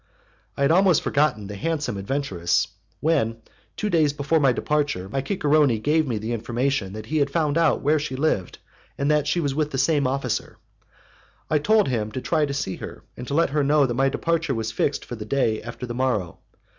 "I had almost forgotten the handsome adventuress, when, two days before my departure, my cicerone gave me the information that he had found out where she lived, and that she was with the same officer. I told him to try to see her, and to let her know that my departure was fixed for the day after the morrow.